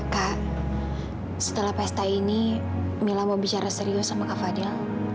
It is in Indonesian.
kak setelah pesta ini mila mau bicara serius sama kak fadil